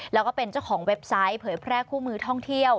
แล้วก็เป็นเจ้าของเว็บไซต์เผยแพร่คู่มือท่องเที่ยว